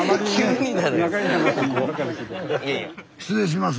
失礼します。